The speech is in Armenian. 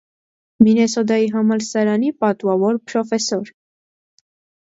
Մինէսոդայի համալսարանի պատուաւոր փրոֆեսոր։